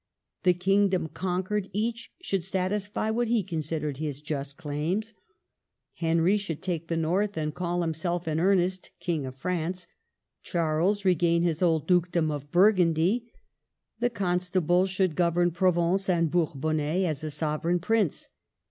The kingdom conquered, each should satisfy what he considered his just claims : Henry should take the North, and call himself in earnest King of France ; Charles re gain his old dukedom of Burgundy ; the Con stable should govern Provence and Bourbonnais as a sovereign prince.